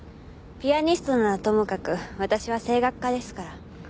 ピアニストならともかく私は声楽家ですから。